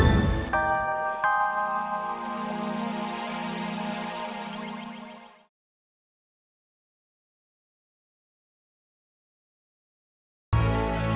aku akan memb contacted